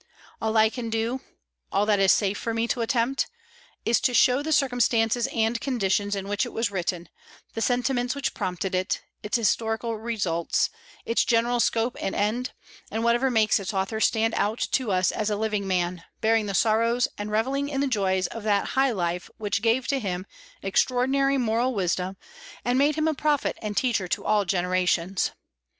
All I can do all that is safe for me to attempt is to show the circumstances and conditions in which it was written, the sentiments which prompted it, its historical results, its general scope and end, and whatever makes its author stand out to us as a living man, bearing the sorrows and revelling in the joys of that high life which gave to him extraordinary moral wisdom, and made him a prophet and teacher to all generations.